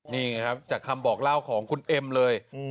นี่ไงครับจากคำบอกเล่าของคุณเอ็มเลย